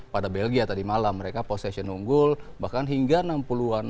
pada belgia tadi malam mereka position unggul bahkan hingga enam puluh an